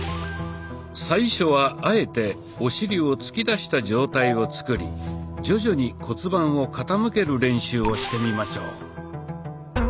最初はあえてお尻を突き出した状態を作り徐々に骨盤を傾ける練習をしてみましょう。